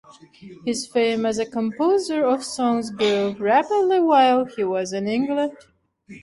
His fame as a composer of songs grew rapidly while he was in England.